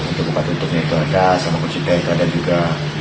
untuk buka tutupnya itu ada sama pun sudah itu ada juga